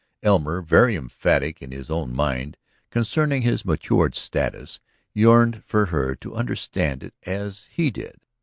Elmer, very emphatic in his own mind concerning his matured status, yearned for her to understand it as he did.